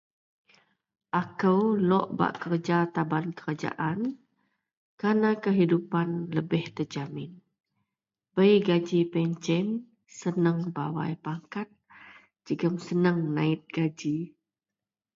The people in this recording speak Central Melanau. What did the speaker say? akou lok bak kerja taban kerajaan kerna kehidupan lebih terjamin, bei gaji pencen, senang bawai pangkat jegum senang nait gaji